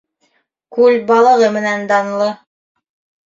Күл балығы менән данлы